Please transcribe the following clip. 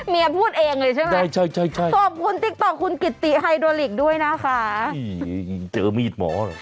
เมียพูดเองเลยใช่ไหมขอบคุณติ๊กต๊อกคุณกิตตี้ไฮโดริกด้วยนะคะไม่เจอมีดหมอเหรอ